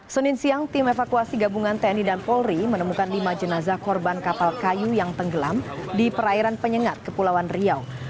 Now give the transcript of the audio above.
senin siang tim evakuasi gabungan tni dan polri menemukan lima jenazah korban kapal kayu yang tenggelam di perairan penyengat kepulauan riau